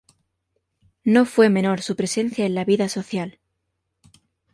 No fue menor su presencia en la vida social.